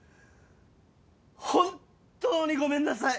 本っ当にごめんなさい！